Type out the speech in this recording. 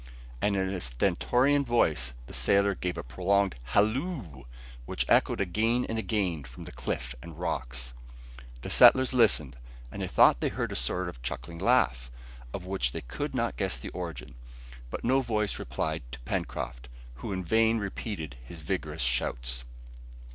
And in a stentorian voice the sailor gave a prolonged "Halloo!" which was echoed again and again from the cliff and rocks. The settlers listened and they thought they heard a sort of chuckling laugh, of which they could not guess the origin. But no voice replied to Pencroft, who in vain repeated his vigorous shouts.